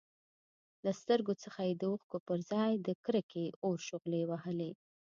له سترګو څخه يې د اوښکو پرځای د کرکې اور شغلې وهلې.